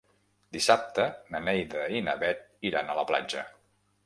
Dissabte na Neida i na Bet iran a la platja.